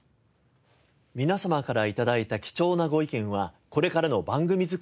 皆様から頂いた貴重なご意見はこれからの番組作りに生かして参ります。